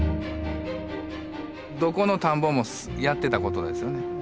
どこの田んぼもやってたことですよね。